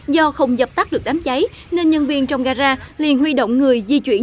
do không dập tắt được đám cháy nên nhân viên trong gara liền huy động người di chuyển